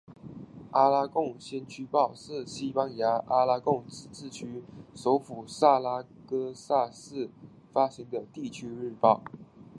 阿拉贡先驱报是西班牙阿拉贡自治区首府萨拉戈萨市发行的地区日报。